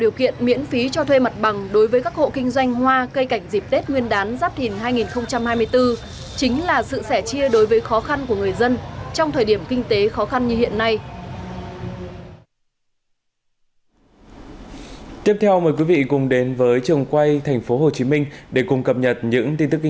bên cạnh việc miễn phí cho thuê mặt bằng để người dân yên tâm mua bán vui xuân chính quyền cùng lực lượng công an thường xuyên tăng cường công tác đảm bảo an ninh trật tự để người dân yên tâm mua bán vui xuân